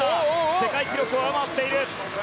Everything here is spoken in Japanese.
世界記録を上回っている。